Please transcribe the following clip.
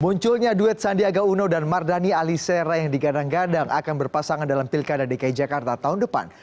munculnya duet sandiaga uno dan mardhani alisera yang digadang gadang akan berpasangan dalam pilkada dki jakarta tahun depan